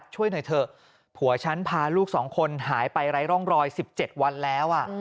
ช่วยหน่อยเถอะผัวฉันพาลูก๒คนหายไปไร้ร่องรอย๑๗วันแล้ว